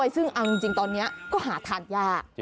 ซึ่งตอนนี้หาทานยาก